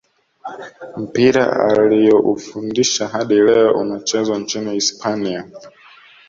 mpira alioufundisha hadi leo unachezwa nchini hispania